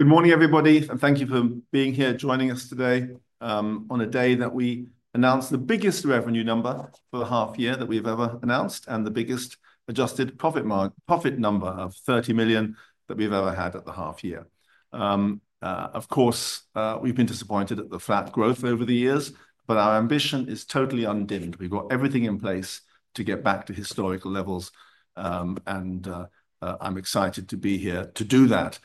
Good morning, everybody, and thank you for being here, joining us today, on a day that we announced the biggest revenue number for the half year that we have ever announced, and the biggest adjusted profit market profit number of $30 million that we've ever had at the half year. Of course, we've been disappointed at the flat growth over the years, but our ambition is totally undimmed. We've got everything in place to get back to historical levels, and, I'm excited to be here to do that.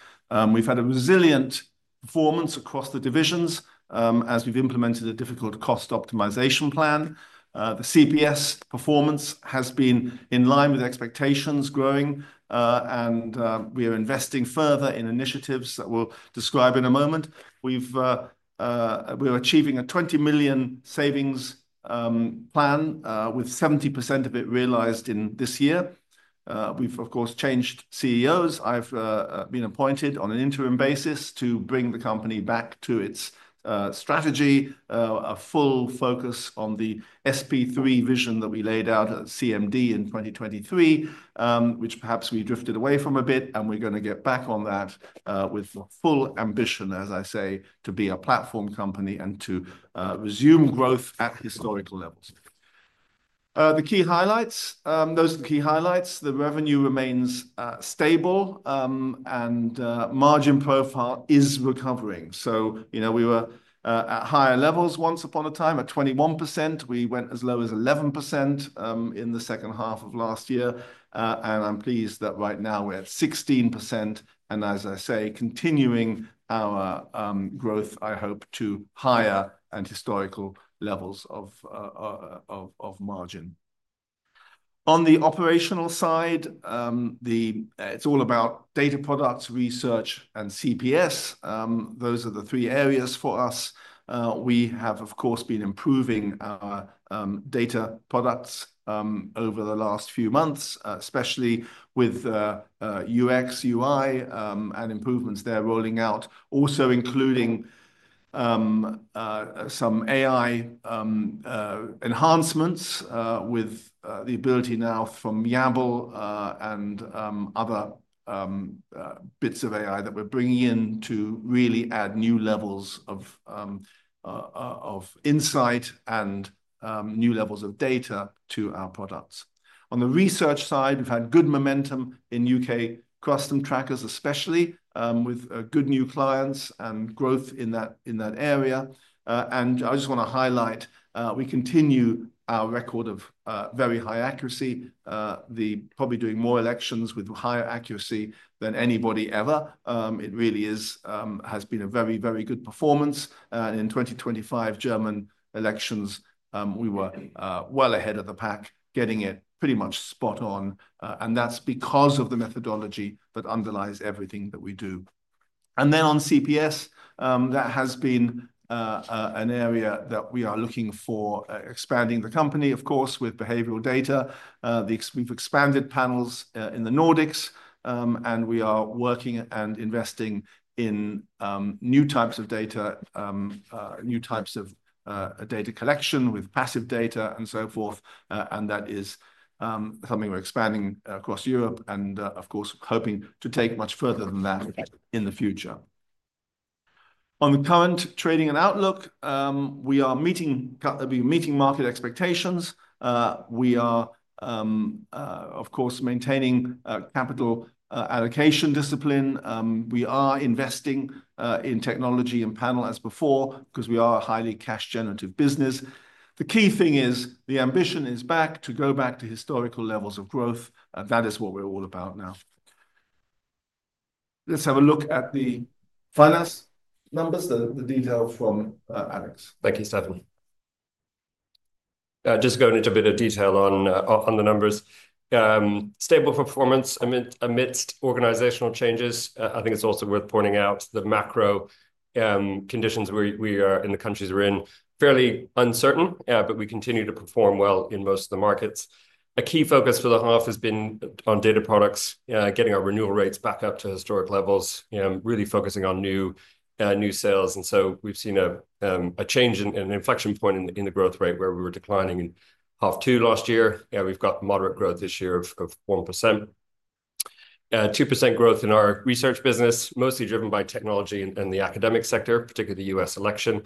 We've had a resilient performance across the divisions, as we've implemented a difficult cost optimization plan. The CPS performance has been in line with expectations, growing, and, we are investing further in initiatives that we'll describe in a moment. We've, we're achieving a $20 million savings plan, with 70% of it realized in this year. We've, of course, changed CEOs. I've been appointed on an interim basis to bring the company back to its strategy, a full focus on the SP3 vision that we laid out at CMD in 2023, which perhaps we drifted away from a bit, and we're going to get back on that, with the full ambition, as I say, to be a platform company and to resume growth at historical levels. The key highlights, those are the key highlights. The revenue remains stable, and margin profile is recovering. You know, we were at higher levels once upon a time at 21%. We went as low as 11% in the second half of last year, and I'm pleased that right now we're at 16%, and as I say, continuing our growth, I hope, to higher and historical levels of margin. On the operational side, it's all about data products, research, and CPS. Those are the three areas for us. We have, of course, been improving our data products over the last few months, especially with UX, UI, and improvements there rolling out, also including some AI enhancements, with the ability now from Yabble, and other bits of AI that we're bringing in to really add new levels of insight and new levels of data to our products. On the research side, we've had good momentum in U.K. custom trackers, especially with good new clients and growth in that area. I just want to highlight, we continue our record of very high accuracy, probably doing more elections with higher accuracy than anybody ever. It really is, has been a very, very good performance. In 2025 German elections, we were well ahead of the pack, getting it pretty much spot on, and that's because of the methodology that underlies everything that we do. On CPS, that has been an area that we are looking for, expanding the company, of course, with behavioral data. We've expanded panels in the Nordics, and we are working and investing in new types of data, new types of data collection with passive data and so forth. That is something we're expanding across Europe and, of course, hoping to take much further than that in the future. On the current trading and outlook, we are meeting, we're meeting market expectations. We are, of course, maintaining capital allocation discipline. We are investing in technology and panel as before because we are a highly cash-generative business. The key thing is the ambition is back to go back to historical levels of growth. That is what we're all about now. Let's have a look at the finance numbers, the detail from Alex. Thank you, Stephan. Just going into a bit of detail on the numbers, stable performance amidst organizational changes. I think it's also worth pointing out the macro conditions we are in, the countries we're in, fairly uncertain, but we continue to perform well in most of the markets. A key focus for the half has been on data products, getting our renewal rates back up to historic levels, really focusing on new sales. We have seen a change in an inflection point in the growth rate where we were declining in half two last year. We have got moderate growth this year of 1%-2% growth in our research business, mostly driven by technology and the academic sector, particularly the U.S. election.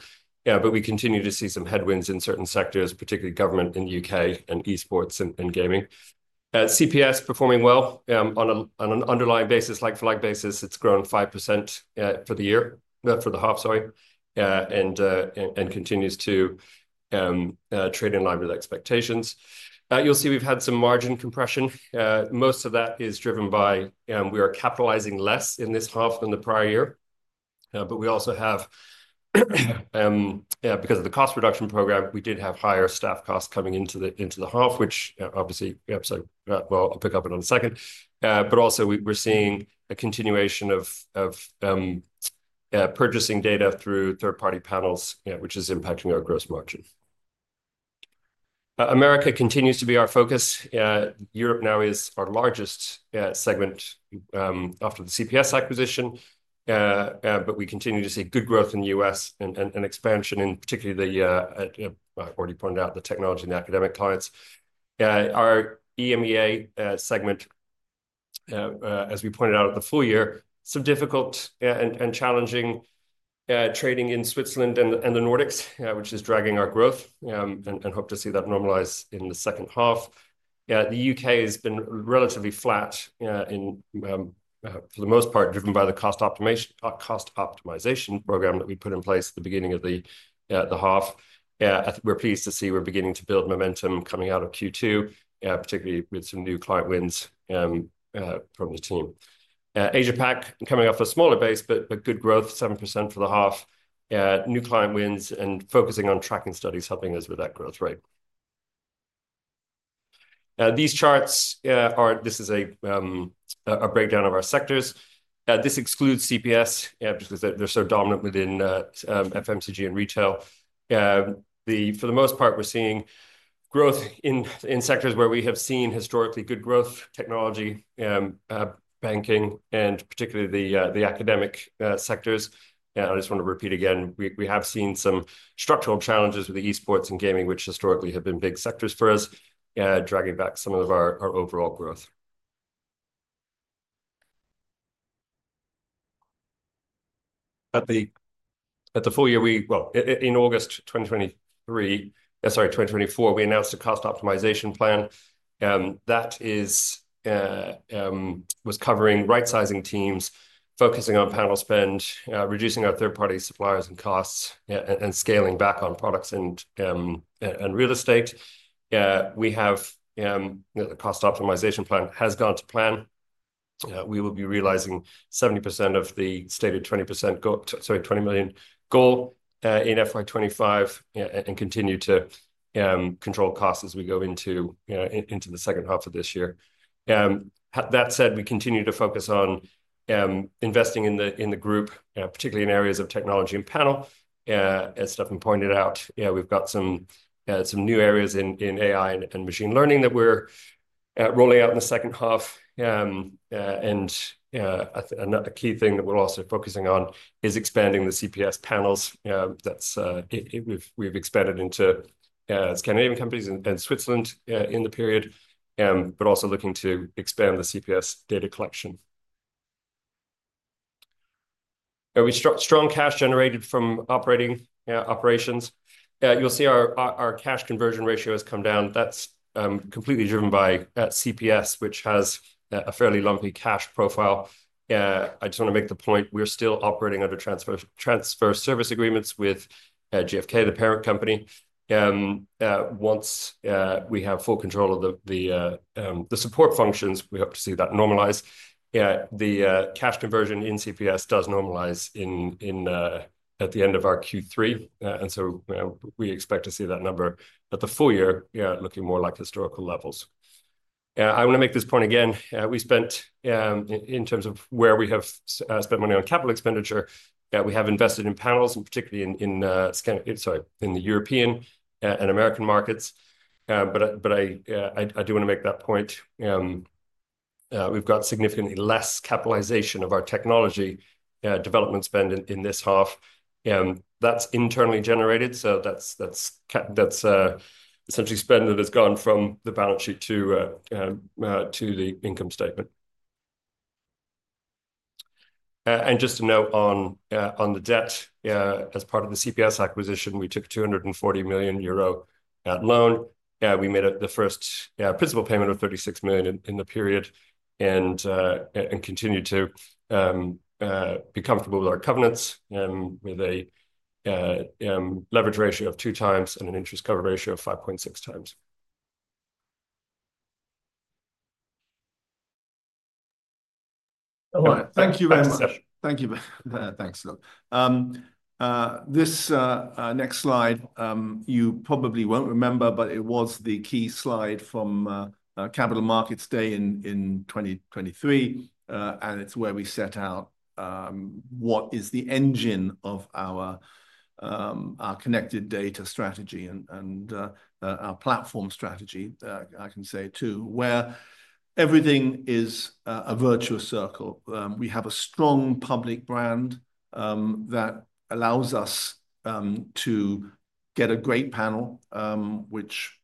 We continue to see some headwinds in certain sectors, particularly government in the U.K. and Esports and gaming. CPS performing well, on a, on an underlying basis, like for like basis, it's grown 5% for the year, not for the half, sorry, and continues to trade in line with expectations. You'll see we've had some margin compression. Most of that is driven by, we are capitalizing less in this half than the prior year. We also have, because of the cost reduction program, we did have higher staff costs coming into the half, which obviously, sorry, I'll pick up on it in a second. We are also seeing a continuation of purchasing data through third-party panels, which is impacting our gross margin. America continues to be our focus. Europe now is our largest segment after the CPS acquisition. We continue to see good growth in the U.S. and expansion in particularly the, already pointed out, the technology and the academic clients. Our EMEA segment, as we pointed out at the full year, has some difficult and challenging trading in Switzerland and the Nordics, which is dragging our growth, and hope to see that normalize in the second half. The U.K. has been relatively flat for the most part, driven by the cost optimization program that we put in place at the beginning of the half. We're pleased to see we're beginning to build momentum coming out of Q2, particularly with some new client wins from the team. Asia Pacific coming off a smaller base, but good growth, 7% for the half, new client wins and focusing on tracking studies helping us with that growth rate. These charts are, this is a breakdown of our sectors. This excludes CPS, because they're so dominant within FMCG and retail. For the most part, we're seeing growth in sectors where we have seen historically good growth, technology, banking, and particularly the academic sectors. I just want to repeat again, we have seen some structural challenges with the Esports and gaming, which historically have been big sectors for us, dragging back some of our overall growth. At the full year, in August 2023, sorry, 2024, we announced a cost optimization plan. That was covering right-sizing teams, focusing on panel spend, reducing our third-party suppliers and costs, and scaling back on products and real estate. The cost optimization plan has gone to plan. We will be realizing 70% of the stated 20% goal, sorry, $20 million goal, in FY2025, and continue to control costs as we go into the second half of this year. That said, we continue to focus on investing in the group, particularly in areas of technology and panel. As Stephan pointed out, we've got some new areas in AI and machine learning that we're rolling out in the second half. Another key thing that we're also focusing on is expanding the CPS panels. We've expanded into Scandinavian countries and Switzerland in the period, but also looking to expand the CPS data collection. We have strong cash generated from operating operations. You'll see our cash conversion ratio has come down. That's completely driven by CPS, which has a fairly lumpy cash profile. I just want to make the point, we're still operating under transitional service agreements with GfK, the parent company. Once we have full control of the support functions, we hope to see that normalize. The cash conversion in CPS does normalize at the end of our Q3, and we expect to see that number at the full year looking more like historical levels. I want to make this point again. We spent, in terms of where we have spent money on capital expenditure, we have invested in panels and particularly in the European and American markets. I do want to make that point. We've got significantly less capitalization of our technology development spend in this half. That's internally generated. That's essentially spend that has gone from the balance sheet to the income statement. Just to note on the debt, as part of the CPS acquisition, we took a 240 million euro loan. We made the first principal payment of 36 million in the period and continued to be comfortable with our covenants, with a leverage ratio of two times and an interest cover ratio of 5.6 times. All right. Thank you very much. Thank you. Thanks. This next slide, you probably won't remember, but it was the key slide from Capital Markets Day in 2023. It's where we set out what is the engine of our connected data strategy and our platform strategy. I can say too, where everything is a virtuous circle. We have a strong public brand that allows us to get a great panel, which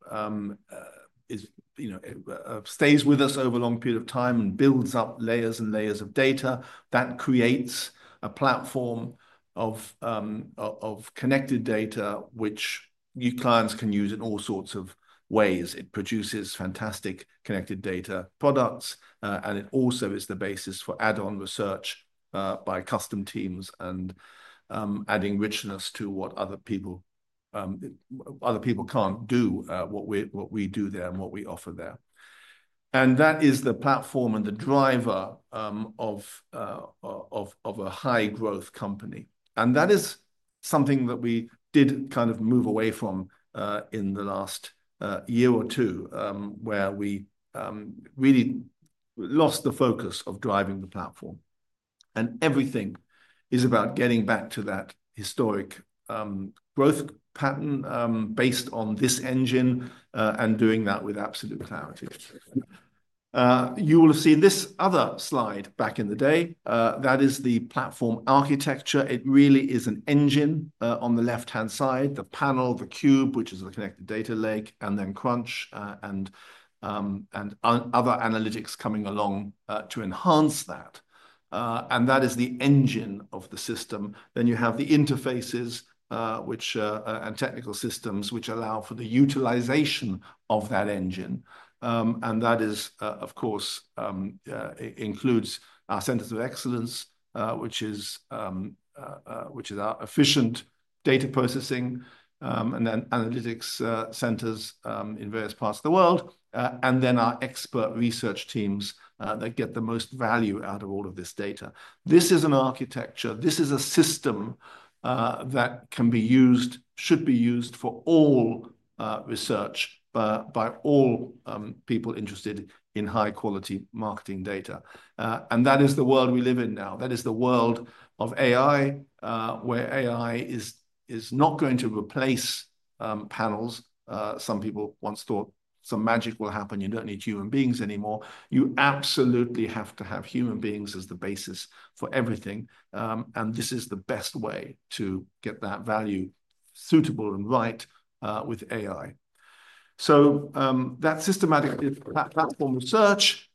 is, you know, stays with us over a long period of time and builds up layers and layers of data that creates a platform of connected data, which you clients can use in all sorts of ways. It produces fantastic connected data products, and it also is the basis for add-on research by custom teams, adding richness to what other people cannot do, what we do there and what we offer there. That is the platform and the driver of a high growth company. That is something that we did kind of move away from in the last year or two, where we really lost the focus of driving the platform. Everything is about getting back to that historic growth pattern, based on this engine, and doing that with absolute clarity. You will have seen this other slide back in the day. That is the platform architecture. It really is an engine, on the left-hand side, the panel, the Cube, which is the connected data lake, and then Crunch, and other analytics coming along to enhance that. That is the engine of the system. You have the interfaces, which, and technical systems which allow for the utilization of that engine. That, of course, includes our centers of excellence, which is our efficient data processing, and then analytics centers in various parts of the world, and then our expert research teams that get the most value out of all of this data. This is an architecture. This is a system that can be used, should be used for all research, by all people interested in high-quality marketing data. That is the world we live in now. That is the world of AI, where AI is not going to replace panels. Some people once thought some magic will happen. You do not need human beings anymore. You absolutely have to have human beings as the basis for everything. This is the best way to get that value suitable and right, with AI. That systematic platform research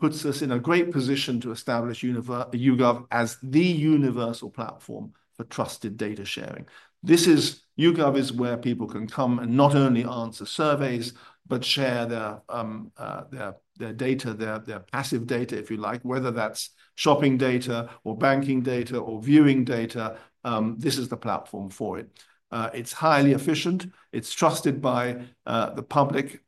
puts us in a great position to establish YouGov as the universal platform for trusted data sharing. This is YouGov, where people can come and not only answer surveys, but share their data, their passive data, if you like, whether that is shopping data or banking data or viewing data. This is the platform for it. It is highly efficient. It is trusted by the public,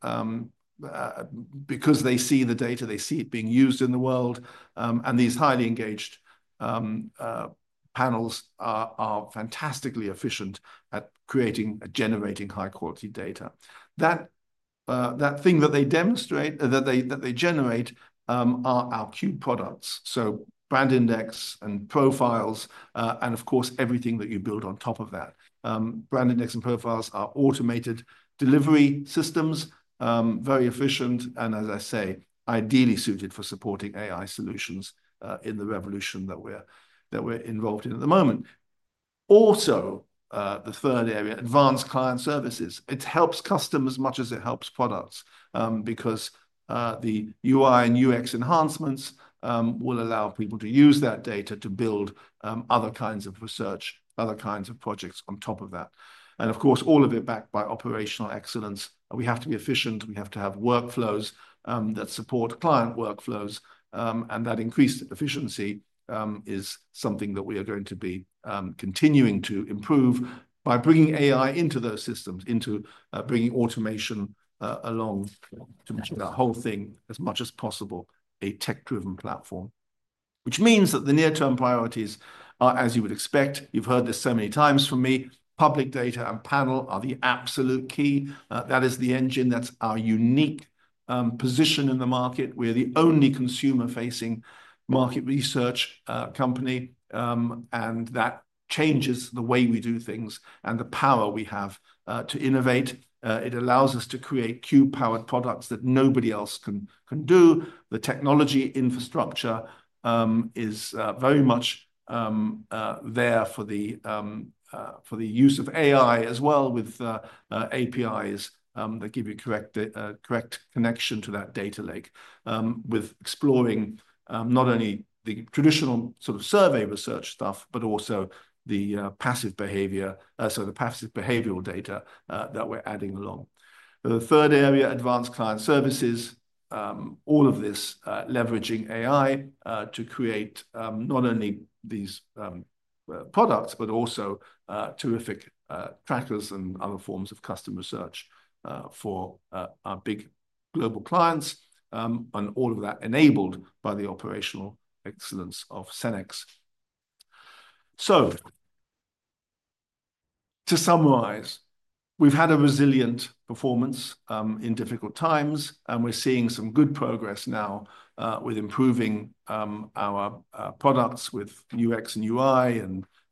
because they see the data, they see it being used in the world. These highly engaged panels are fantastically efficient at creating and generating high-quality data. That thing that they demonstrate, that they generate, are our Cube products. BrandIndex and Profiles, and of course everything that you build on top of that. BrandIndex and Profiles are automated delivery systems, very efficient and, as I say, ideally suited for supporting AI solutions in the revolution that we're involved in at the moment. Also, the third area, advanced client services. It helps customers as much as it helps products, because the UI and UX enhancements will allow people to use that data to build other kinds of research, other kinds of projects on top of that. Of course, all of it backed by operational excellence. We have to be efficient. We have to have workflows that support client workflows. That increased efficiency is something that we are going to be continuing to improve by bringing AI into those systems, bringing automation along to make that whole thing as much as possible a tech-driven platform, which means that the near-term priorities are, as you would expect, you've heard this so many times from me, public data and panel are the absolute key. That is the engine. That's our unique position in the market. We are the only consumer-facing market research company, and that changes the way we do things and the power we have to innovate. It allows us to create Cube-powered products that nobody else can do. The technology infrastructure is very much there for the use of AI as well, with APIs that give you correct connection to that data lake, with exploring not only the traditional sort of survey research stuff, but also the passive behavior, so the passive behavioral data that we're adding along. The third area, advanced client services, all of this leveraging AI to create not only these products, but also terrific trackers and other forms of customer research for our big global clients, and all of that enabled by the operational excellence of CenX. To summarize, we've had a resilient performance in difficult times, and we're seeing some good progress now with improving our products with UX and UI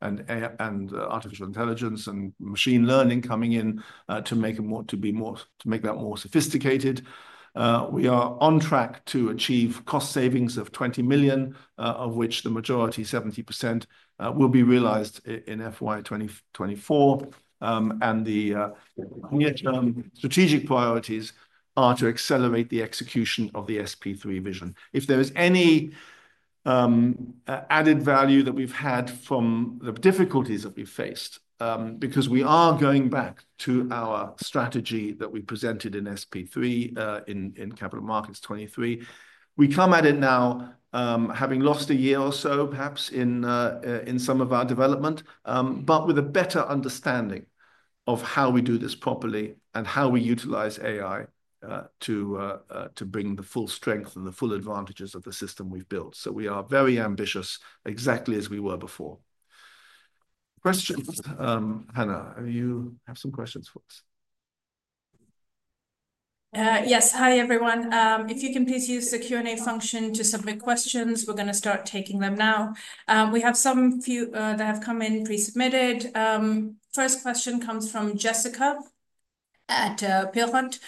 and artificial intelligence and machine learning coming in to make them more to be more, to make that more sophisticated. We are on track to achieve cost savings of $20 million, of which the majority, 70%, will be realized in FY2024. The near-term strategic priorities are to accelerate the execution of the SP3 vision. If there is any added value that we've had from the difficulties that we've faced, because we are going back to our strategy that we presented in SP3, in Capital Markets 2023, we come at it now, having lost a year or so perhaps in some of our development, but with a better understanding of how we do this properly and how we utilize AI to bring the full strength and the full advantages of the system we've built. We are very ambitious, exactly as we were before. Questions, Hannah, you have some questions for us? Yes. Hi everyone. If you can please use the Q&A function to submit questions, we're going to start taking them now. We have a few that have come in pre-submitted. First question comes from Jessica at Peel Hunt.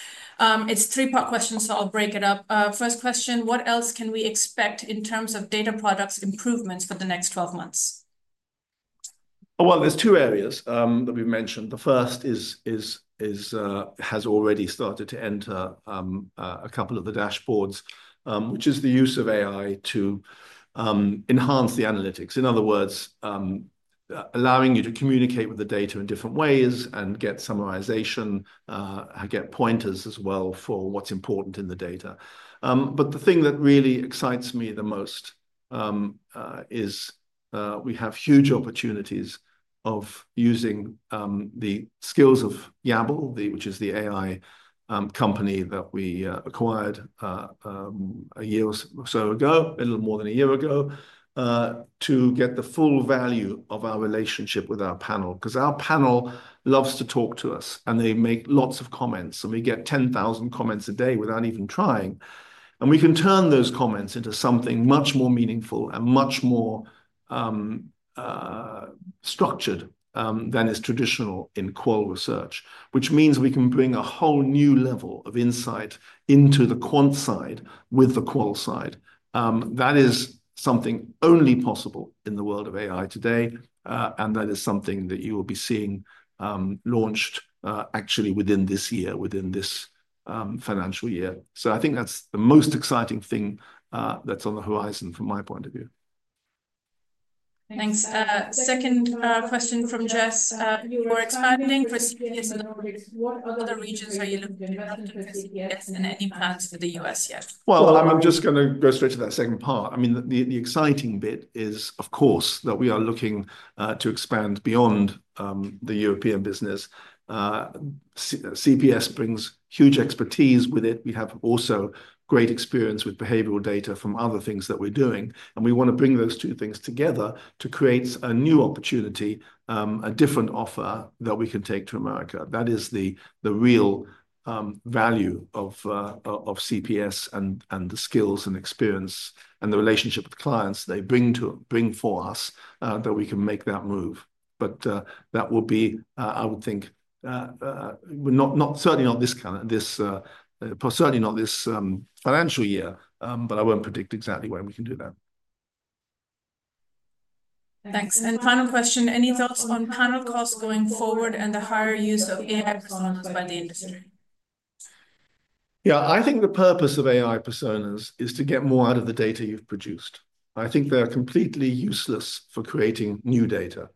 It's a three-part question, so I'll break it up. First question, what else can we expect in terms of data products improvements for the next 12 months? There are two areas that we've mentioned. The first has already started to enter a couple of the dashboards, which is the use of AI to enhance the analytics. In other words, allowing you to communicate with the data in different ways and get summarization, get pointers as well for what's important in the data. The thing that really excites me the most is we have huge opportunities of using the skills of Yabble, which is the AI company that we acquired a year or so ago, a little more than a year ago, to get the full value of our relationship with our panel, because our panel loves to talk to us and they make lots of comments and we get 10,000 comments a day without even trying. We can turn those comments into something much more meaningful and much more structured than is traditional in qual research, which means we can bring a whole new level of insight into the quant side with the qual side. That is something only possible in the world of AI today. That is something that you will be seeing launched actually within this year, within this financial year. I think that's the most exciting thing that's on the horizon from my point of view. Thanks. Second, question from Jess. You were expanding for CPS in the Nordics. What other regions are you looking to invest into for CPS and any plans for the U.S. yet? I'm just going to go straight to that second part. I mean, the exciting bit is, of course, that we are looking to expand beyond the European business. CPS brings huge expertise with it. We have also great experience with behavioral data from other things that we're doing. We want to bring those two things together to create a new opportunity, a different offer that we can take to America. That is the real value of CPS and the skills and experience and the relationship with clients they bring for us, that we can make that move. That will be, I would think, certainly not this financial year, but I won't predict exactly when we can do that. Thanks. Final question, any thoughts on panel costs going forward and the higher use of AI personas by the industry? Yeah, I think the purpose of AI personas is to get more out of the data you've produced. I think they're completely useless for creating new data.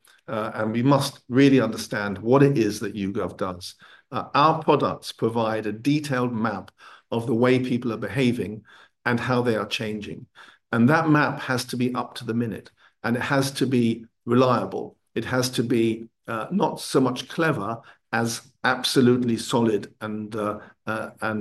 We must really understand what it is that YouGov does. Our products provide a detailed map of the way people are behaving and how they are changing. That map has to be up to the minute and it has to be reliable. It has to be, not so much clever as absolutely solid and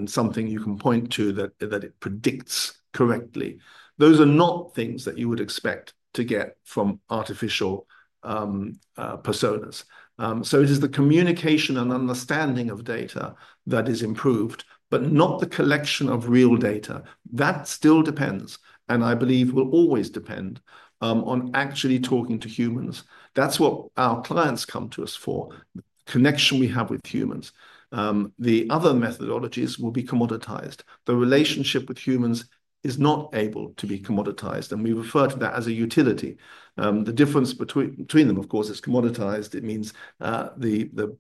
something you can point to that predicts correctly. Those are not things that you would expect to get from artificial personas. It is the communication and understanding of data that is improved, but not the collection of real data. That still depends, and I believe will always depend, on actually talking to humans. That's what our clients come to us for, the connection we have with humans. The other methodologies will be commoditized. The relationship with humans is not able to be commoditized, and we refer to that as a utility. The difference between them, of course, is commoditized. It means the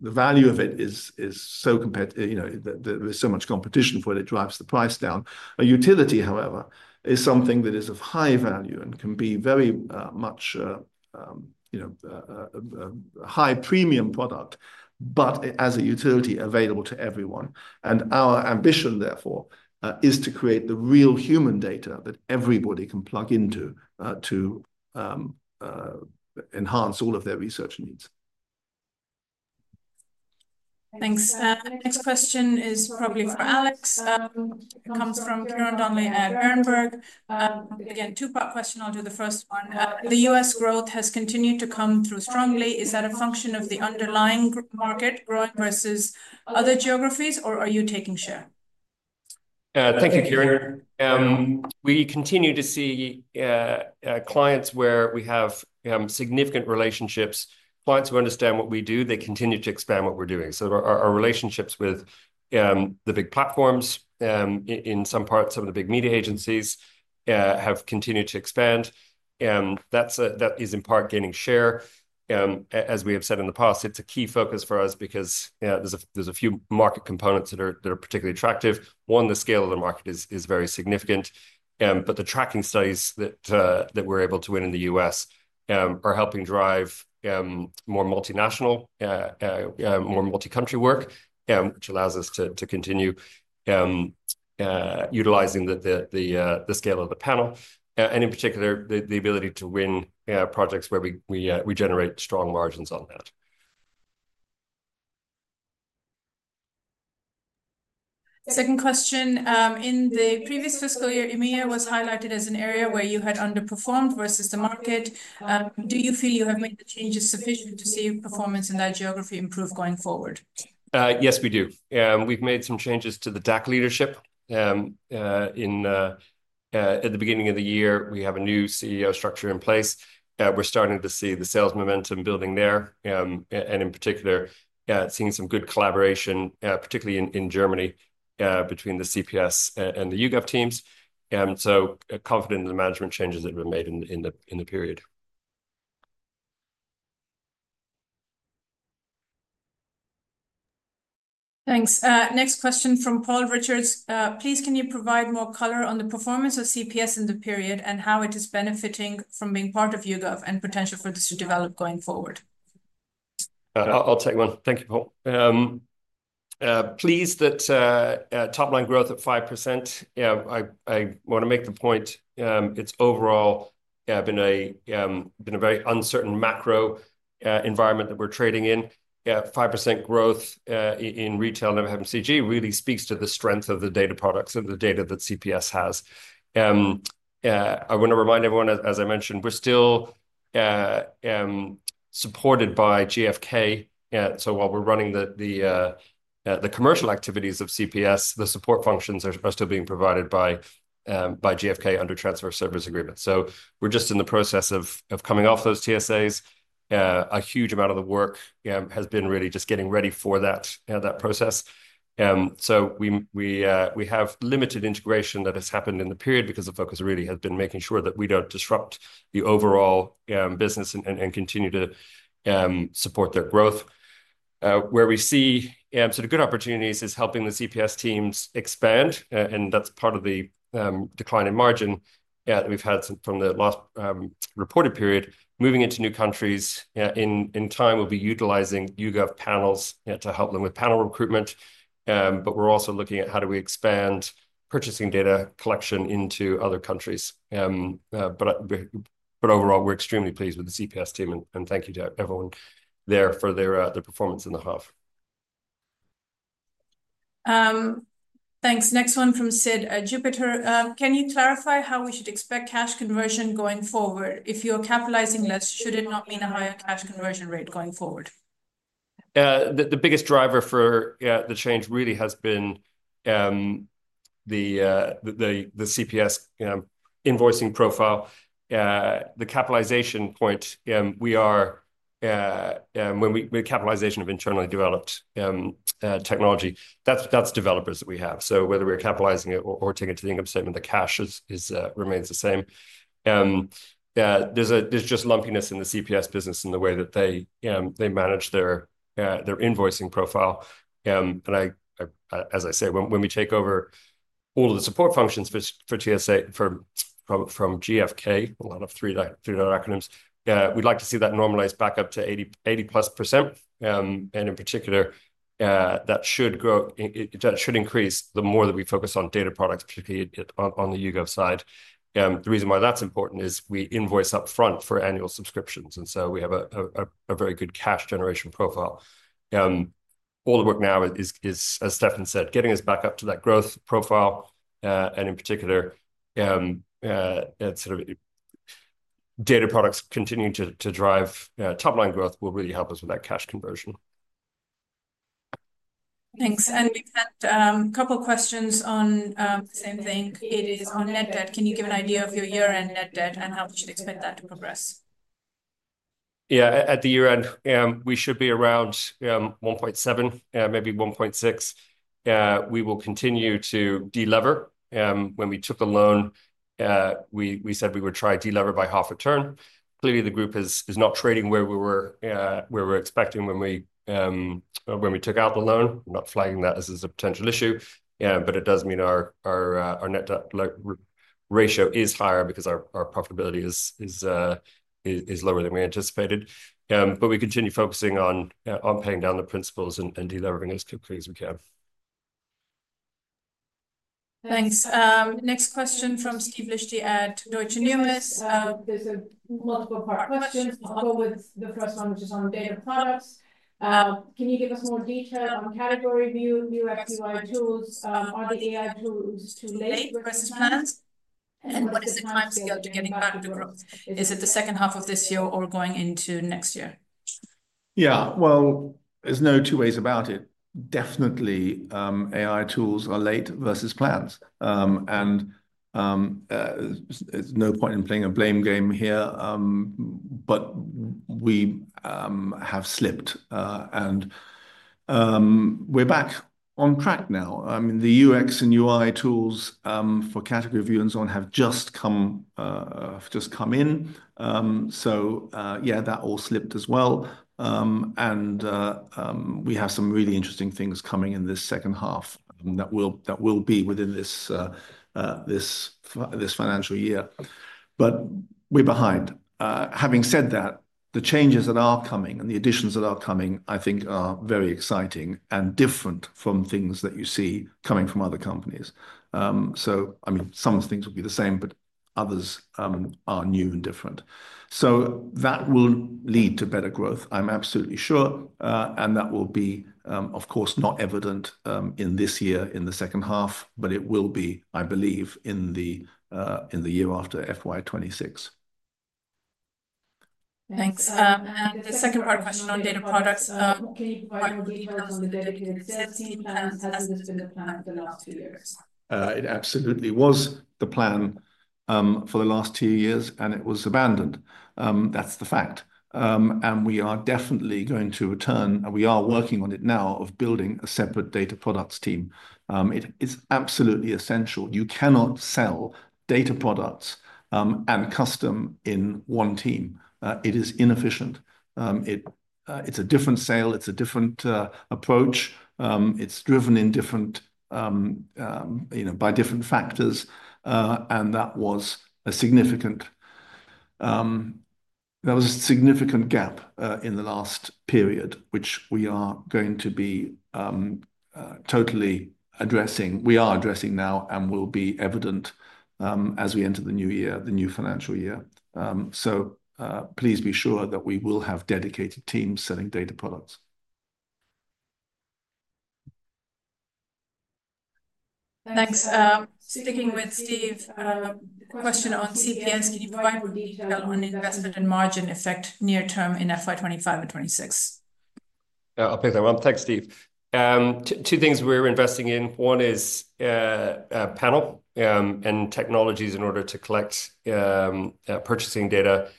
value of it is so competitive, you know, that there's so much competition for it, it drives the price down. A utility, however, is something that is of high value and can be very much, you know, a high premium product, but as a utility available to everyone. Our ambition, therefore, is to create the real human data that everybody can plug into to enhance all of their research needs. Thanks. Next question is probably for Alex. It comes from Ciaran Donnelly at Berenberg. Again, two-part question. I'll do the first one. The U.S. growth has continued to come through strongly. Is that a function of the underlying market growing versus other geographies, or are you taking share? Thank you, Kiran. We continue to see clients where we have significant relationships, clients who understand what we do. They continue to expand what we are doing. Our relationships with the big platforms, in some parts, some of the big media agencies, have continued to expand. That is in part gaining share. As we have said in the past, it is a key focus for us because there are a few market components that are particularly attractive. One, the scale of the market is very significant. The tracking studies that we are able to win in the U.S. are helping drive more multinational, more multi-country work, which allows us to continue utilizing the scale of the panel, and in particular, the ability to win projects where we generate strong margins on that. Second question. In the previous fiscal year, EMEA was highlighted as an area where you had underperformed versus the market. Do you feel you have made the changes sufficient to see your performance in that geography improve going forward? Yes, we do. We've made some changes to the DACH leadership. At the beginning of the year, we have a new CEO structure in place. We're starting to see the sales momentum building there. In particular, seeing some good collaboration, particularly in Germany, between the CPS and the YouGov teams. Confident in the management changes that have been made in the period. Thanks. Next question from Paul Richards. Please, can you provide more color on the performance of CPS in the period and how it is benefiting from being part of YouGov and potential for this to develop going forward? I'll take one. Thank you, Paul. Pleased that, top line growth at 5%. I want to make the point, it's overall, been a very uncertain macro environment that we're trading in. 5% growth, in retail and FMCG really speaks to the strength of the data products and the data that CPS has. I want to remind everyone, as I mentioned, we're still, supported by GfK. While we're running the commercial activities of CPS, the support functions are still being provided by GfK under transitional service agreement. We're just in the process of coming off those TSAs. A huge amount of the work has been really just getting ready for that process. We have limited integration that has happened in the period because the focus really has been making sure that we do not disrupt the overall business and continue to support their growth. Where we see sort of good opportunities is helping the CPS teams expand. That is part of the decline in margin that we have had from the last reported period. Moving into new countries, in time, we will be utilizing YouGov panels to help them with panel recruitment. We are also looking at how we expand purchasing data collection into other countries. Overall, we are extremely pleased with the CPS team, and thank you to everyone there for their performance in the half. Thanks. Next one from Sid at Jupiter. Can you clarify how we should expect cash conversion going forward? If you're capitalizing less, should it not mean a higher cash conversion rate going forward? The biggest driver for the change really has been the CPS invoicing profile. The capitalization point, we are, when we, the capitalization of internally developed technology, that's developers that we have. So whether we're capitalizing it or taking it to the income statement, the cash remains the same. There's just lumpiness in the CPS business in the way that they manage their invoicing profile. As I say, when we take over all of the support functions for TSA from GfK, a lot of three-dot, three-dot acronyms, we'd like to see that normalized back up to 80-80+%. In particular, that should grow, that should increase the more that we focus on data products, particularly on the YouGov side. The reason why that's important is we invoice upfront for annual subscriptions. We have a very good cash generation profile. All the work now is, as Stephan said, getting us back up to that growth profile. In particular, data products continue to drive top line growth, which will really help us with that cash conversion. Thanks. We had a couple of questions on the same thing. It is on net debt. Can you give an idea of your year-end net debt and how we should expect that to progress? Yeah, at the year-end, we should be around 1.7, maybe 1.6. We will continue to delever. When we took the loan, we said we would try to delever by half a turn. Clearly, the group is not trading where we were, where we're expecting when we took out the loan. I'm not flagging that as a potential issue. It does mean our net debt ratio is higher because our profitability is lower than we anticipated. We continue focusing on paying down the principals and delivering as quickly as we can. Thanks. Next question from Steve Liechti at Deutsche Numis. There's a multiple part question. I'll go with the first one, which is on data products. Can you give us more detail on CategoryView, new UI Tools? Are the AI tools too late versus plans? What is the time scale to getting back to the growth? Is it the second half of this year or going into next year? Yeah, there's no two ways about it. Definitely, AI tools are late versus plans, and there's no point in playing a blame game here. We have slipped, and we're back on track now. I mean, the UX and UI tools for CategoryView and so on have just come in. That all slipped as well. We have some really interesting things coming in this second half that will be within this financial year. We're behind. Having said that, the changes that are coming and the additions that are coming, I think are very exciting and different from things that you see coming from other companies. I mean, some of the things will be the same, but others are new and different. That will lead to better growth, I'm absolutely sure. That will be, of course, not evident in this year in the second half, but it will be, I believe, in the year after FY2026. Thanks. And the second part question on data products. Can you provide more details on the dedicated sales team plan? Hasn't this been the plan for the last two years? It absolutely was the plan, for the last two years, and it was abandoned. That's the fact. And we are definitely going to return, and we are working on it now, of building a separate data products team. It is absolutely essential. You cannot sell data products, and custom in one team. It is inefficient. It, it's a different sale. It's a different, approach. It's driven in different, you know, by different factors. And that was a significant, that was a significant gap, in the last period, which we are going to be, totally addressing. We are addressing now and will be evident, as we enter the new year, the new financial year. So, please be sure that we will have dedicated teams selling data products. Thanks. Speaking with Steve, question on CPS. Can you provide more detail on investment and margin effect near term in FY2025 and 2026? I'll pick that one. Thanks, Steve. Two things we're investing in. One is panel and technologies in order to collect purchasing data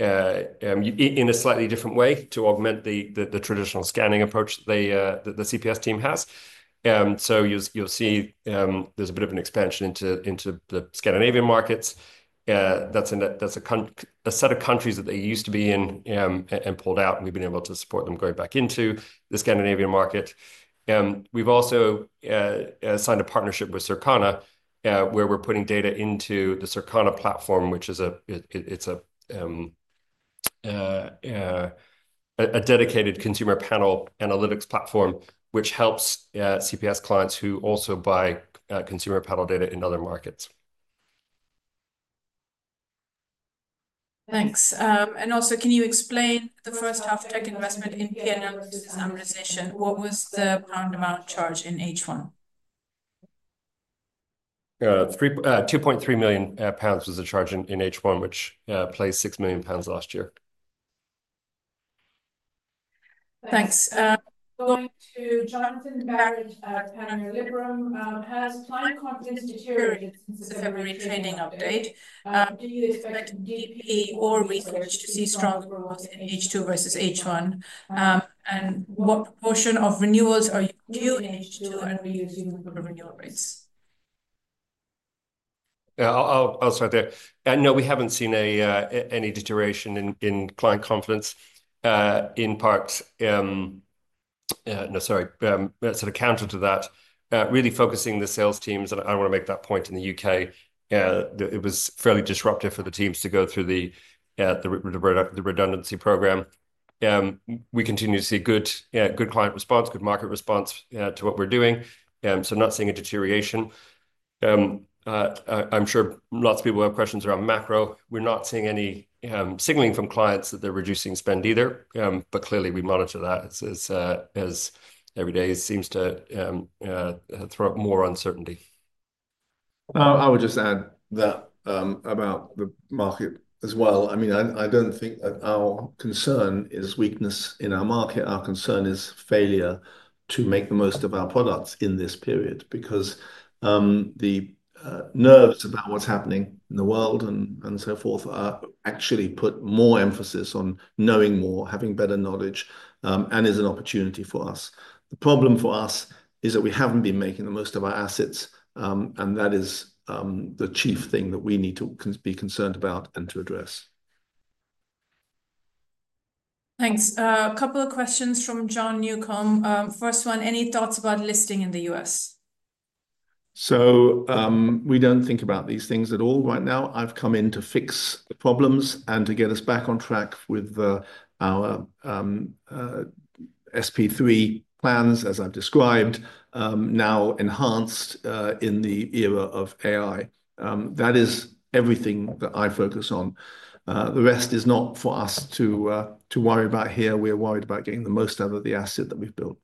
in a slightly different way to augment the traditional scanning approach that the CPS team has. You'll see there's a bit of an expansion into the Scandinavian markets. That's a set of countries that they used to be in and pulled out. We've been able to support them going back into the Scandinavian market. We've also signed a partnership with Circana, where we're putting data into the Circana platform, which is a dedicated consumer panel analytics platform, which helps CPS clients who also buy consumer panel data in other markets. Thanks. And also, can you explain the first half tech investment in P&L versus amortization? What was the pound amount charge in H1? 2.3 million pounds was the charge in H1, which replaced 6 million pounds last year. Thanks. Going to Jonathan Barrett, Panmure Liberum. Has client confidence deteriorated since the February training update? Do you expect DP or research to see stronger growth in H2 versus H1? And what proportion of renewals are you in H2 and reusing for renewal rates? Yeah, I'll start there. No, we haven't seen any deterioration in client confidence, in parts. No, sorry. Sort of counter to that, really focusing the sales teams, and I want to make that point in the U.K., it was fairly disruptive for the teams to go through the redundancy program. We continue to see good client response, good market response, to what we're doing. Not seeing a deterioration. I'm sure lots of people have questions around macro. We're not seeing any signaling from clients that they're reducing spend either. Clearly we monitor that as every day it seems to throw up more uncertainty. I would just add that, about the market as well. I mean, I don't think that our concern is weakness in our market. Our concern is failure to make the most of our products in this period because the nerves about what's happening in the world and, and so forth are actually put more emphasis on knowing more, having better knowledge, and is an opportunity for us. The problem for us is that we haven't been making the most of our assets, and that is the chief thing that we need to be concerned about and to address. Thanks. A couple of questions from John Newcomb. First one, any thoughts about listing in the U.S.? We don't think about these things at all right now. I've come in to fix the problems and to get us back on track with our SP3 plans, as I've described, now enhanced in the era of AI. That is everything that I focus on. The rest is not for us to worry about here. We are worried about getting the most out of the asset that we've built.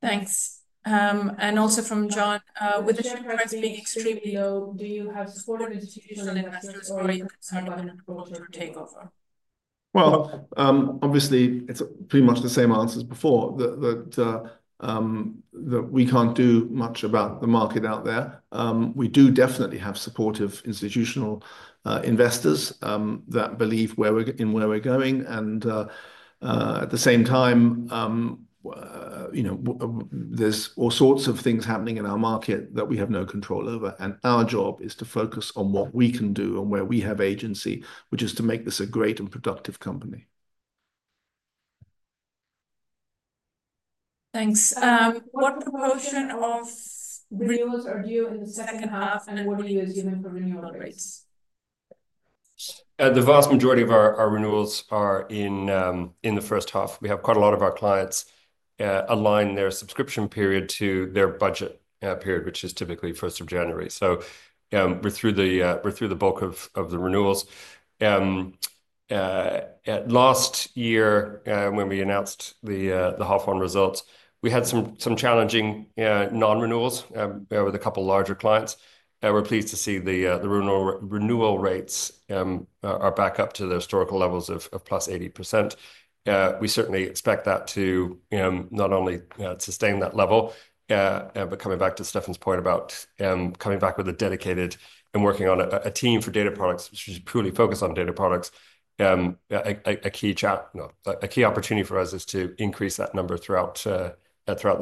Thanks. And also from John, with the share price being extremely low, do you have supportive institutional investors or are you concerned about an approach or takeover? It is pretty much the same answer as before, that we cannot do much about the market out there. We do definitely have supportive institutional investors that believe where we are in, where we are going. At the same time, you know, there are all sorts of things happening in our market that we have no control over. Our job is to focus on what we can do and where we have agency, which is to make this a great and productive company. Thanks. What proportion of renewals are due in the second half, and what are you assuming for renewal rates? The vast majority of our renewals are in the first half. We have quite a lot of our clients align their subscription period to their budget period, which is typically 1st of January. We are through the bulk of the renewals. Last year, when we announced the half on results, we had some challenging non-renewals with a couple of larger clients. We are pleased to see the renewal rates are back up to the historical levels of plus 80%. We certainly expect that to not only sustain that level, but coming back to Stephan's point about coming back with a dedicated and working on a team for data products, which is purely focused on data products. A key chat, you know, a key opportunity for us is to increase that number throughout the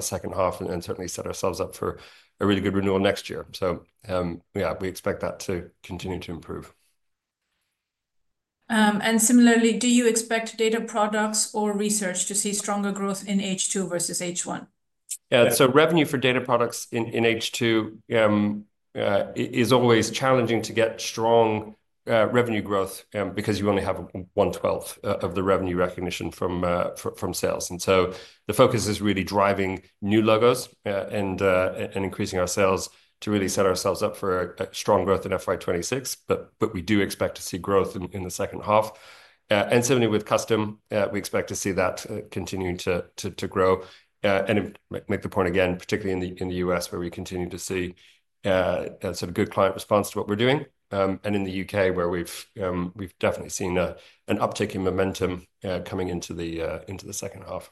second half and certainly set ourselves up for a really good renewal next year. Yeah, we expect that to continue to improve. And similarly, do you expect data products or research to see stronger growth in H2 versus H1? Yeah, so revenue for data products in H2 is always challenging to get strong revenue growth, because you only have one twelfth of the revenue recognition from sales. The focus is really driving new logos, and increasing our sales to really set ourselves up for a strong growth in FY2026. We do expect to see growth in the second half, and certainly with custom, we expect to see that continue to grow. I make the point again, particularly in the U.S. where we continue to see sort of good client response to what we're doing, and in the U.K. where we've definitely seen an uptick in momentum coming into the second half.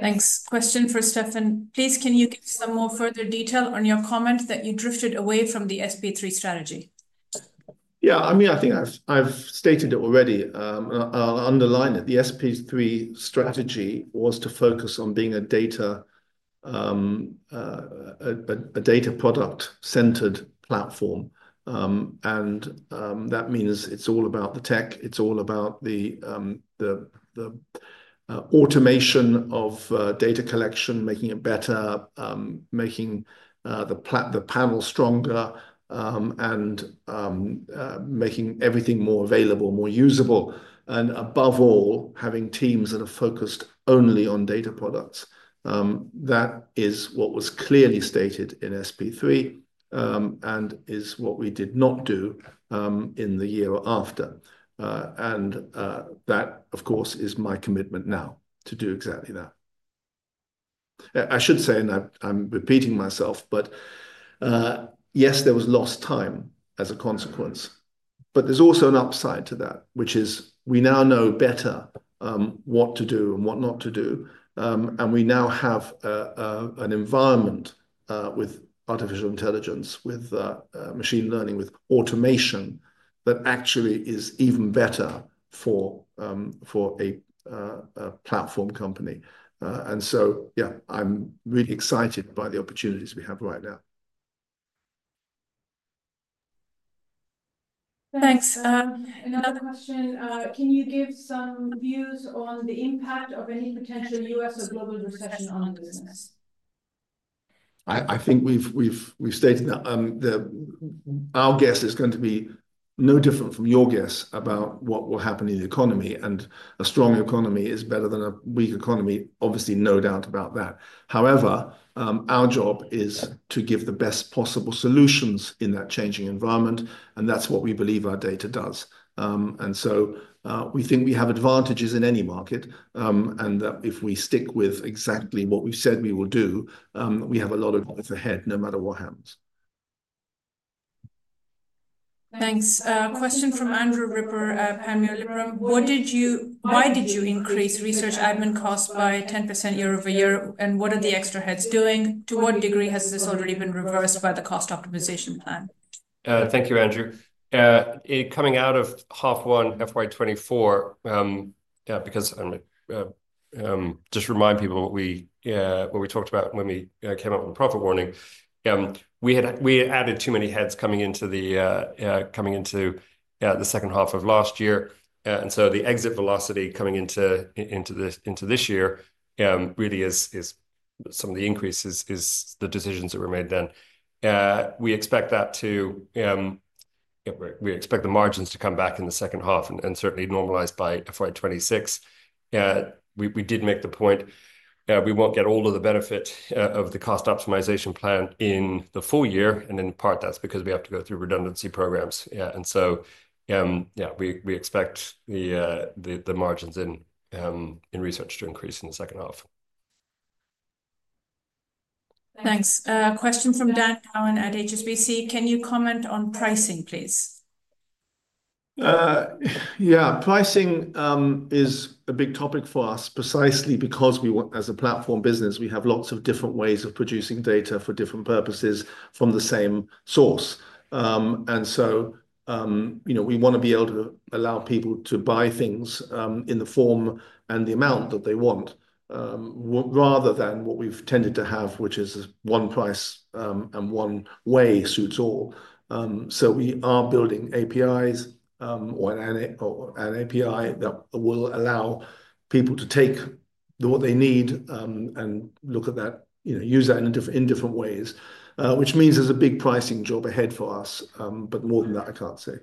Thanks. Question for Stephan. Please, can you give some more further detail on your comment that you drifted away from the SP3 strategy? Yeah, I mean, I think I've stated it already. I'll underline it. The SP3 strategy was to focus on being a data, a data product centered platform. That means it's all about the tech. It's all about the automation of data collection, making it better, making the panel stronger, and making everything more available, more usable, and above all, having teams that are focused only on data products. That is what was clearly stated in SP3, and is what we did not do in the year after. That, of course, is my commitment now to do exactly that. I should say, and I'm repeating myself, but yes, there was lost time as a consequence, but there's also an upside to that, which is we now know better what to do and what not to do. We now have an environment with artificial intelligence, with machine learning, with automation that actually is even better for a platform company. Yeah, I'm really excited by the opportunities we have right now. Thanks. Another question. Can you give some views on the impact of any potential U.S. or global recession on the business? I think we've stated that, our guess is going to be no different from your guess about what will happen in the economy. A strong economy is better than a weak economy. Obviously, no doubt about that. However, our job is to give the best possible solutions in that changing environment. That's what we believe our data does. We think we have advantages in any market, and that if we stick with exactly what we've said we will do, we have a lot ahead no matter what happens. Thanks. Question from Andrew Ripper, Panmure Liberum. What did you, why did you increase research admin costs by 10% year over year? What are the extra heads doing? To what degree has this already been reversed by the cost optimization plan? Thank you, Andrew. Coming out of half one FY2024, because I'm, just remind people what we, what we talked about when we, came up with the profit warning. We had, we added too many heads coming into the, coming into, the second half of last year. And so the exit velocity coming into, into this, into this year, really is, is some of the increase is, is the decisions that were made then. We expect that to, we expect the margins to come back in the second half and, certainly normalize by FY2026. We, we did make the point, we won't get all of the benefit, of the cost optimization plan in the full year. In part, that's because we have to go through redundancy programs. Yeah. We, we expect the, the, the margins in, in research to increase in the second half. Thanks. Question from Dan Cowan at HSBC. Can you comment on pricing, please? Yeah, pricing is a big topic for us precisely because we want, as a platform business, we have lots of different ways of producing data for different purposes from the same source. And so, you know, we want to be able to allow people to buy things, in the form and the amount that they want, rather than what we've tended to have, which is one price, and one way suits all. So we are building APIs, or an API that will allow people to take what they need, and look at that, you know, use that in different, in different ways, which means there's a big pricing job ahead for us. But more than that, I can't say.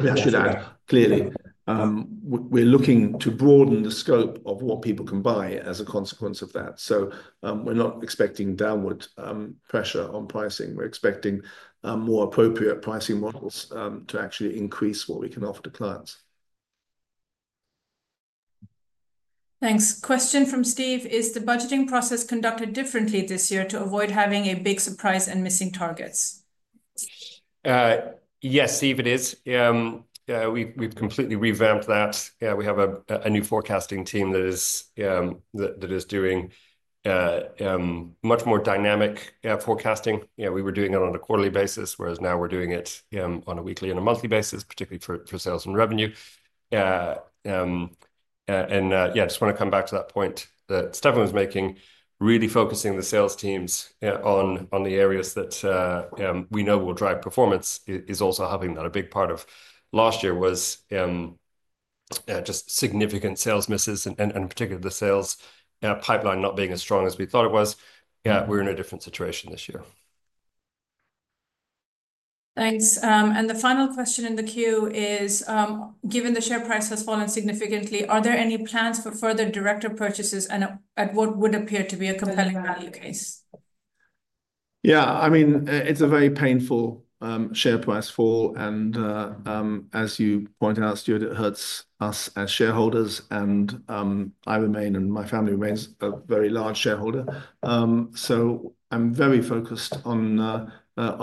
I should add clearly, we're looking to broaden the scope of what people can buy as a consequence of that. We're not expecting downward pressure on pricing. We're expecting more appropriate pricing models to actually increase what we can offer to clients. Thanks. Question from Steve. Is the budgeting process conducted differently this year to avoid having a big surprise and missing targets? Yes, Steve, it is. We've completely revamped that. We have a new forecasting team that is doing much more dynamic forecasting. You know, we were doing it on a quarterly basis, whereas now we're doing it on a weekly and a monthly basis, particularly for sales and revenue. Yeah, I just want to come back to that point that Stephan was making, really focusing the sales teams on the areas that we know will drive performance is also having that. A big part of last year was just significant sales misses and particularly the sales pipeline not being as strong as we thought it was. Yeah, we're in a different situation this year. Thanks. The final question in the queue is, given the share price has fallen significantly, are there any plans for further director purchases and at what would appear to be a compelling value case? Yeah, I mean, it's a very painful, share price fall. And, as you point out, Stuart, it hurts us as shareholders and, I remain and my family remains a very large shareholder. I am very focused on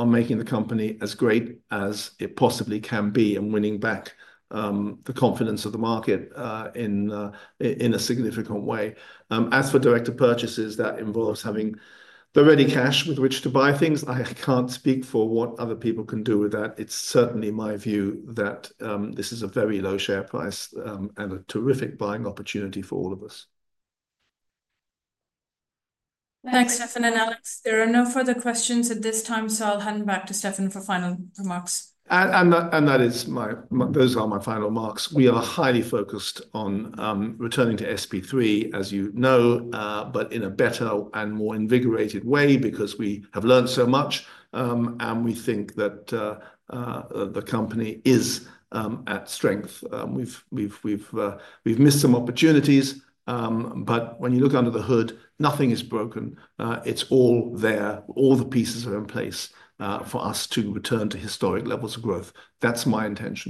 making the company as great as it possibly can be and winning back the confidence of the market in a significant way. As for director purchases, that involves having the ready cash with which to buy things. I can't speak for what other people can do with that. It's certainly my view that this is a very low share price, and a terrific buying opportunity for all of us. Thanks, Stephan and Alex. There are no further questions at this time, so I'll hand back to Stephan for final remarks. That is my, those are my final remarks. We are highly focused on returning to SP3, as you know, but in a better and more invigorated way because we have learned so much, and we think that the company is at strength. We have missed some opportunities, but when you look under the hood, nothing is broken. It is all there. All the pieces are in place for us to return to historic levels of growth. That is my intention.